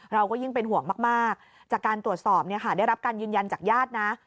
เราก็ยิ่งเป็นห่วงมากจากการตรวจสอบได้รับการยืนยันจากญาตินะ